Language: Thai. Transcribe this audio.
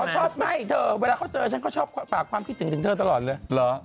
ชอบไหม้เธอเวลาเขาเจอฉันก็ชอบฝากความคิดถึงถึงเธอตลอดเลยเหรอ